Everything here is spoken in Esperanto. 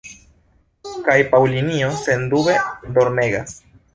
Kaj Paŭlinjo, sendube, dormegas.